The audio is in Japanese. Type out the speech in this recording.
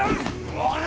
おい。